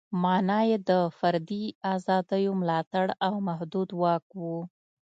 معنا یې د فردي ازادیو ملاتړ او محدود واک و.